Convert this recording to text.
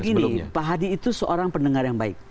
begini pak hadi itu seorang pendengar yang baik